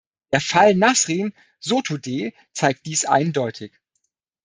Der Fall Nasrin Sotoudeh zeigt dies eindeutig.